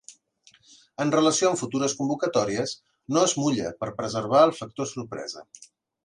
En relació amb futures convocatòries, no es mulla per a preservar el factor sorpresa.